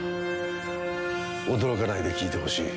驚かないで聞いてほしい。